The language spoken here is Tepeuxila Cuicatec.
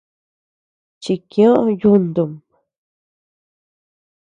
Chikiö yuntum.